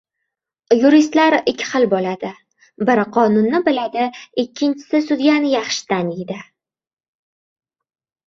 • Yuristlar ikki xil bo‘ladi: biri qonunni biladi, ikkinchisi sudyani yaxshi taniydi.